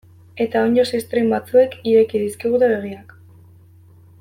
Eta onddo ziztrin batzuek ireki dizkigute begiak.